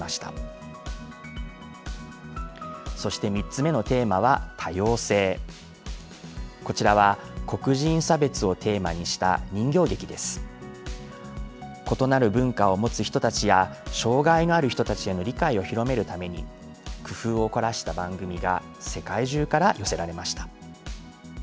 異なる文化を持つ人たちや障害のある人たちへの理解を広めるために工夫を凝らした番組が世界中から寄せられました。